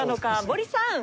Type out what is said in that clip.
森さん。